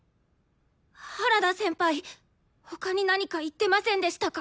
原田先輩他に何か言ってませんでしたか？